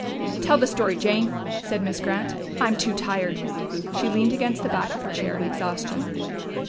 "Tell the story, Jane," said Miss Grant. "I'm too tired." She leaned against the back of her chair in exhaustion.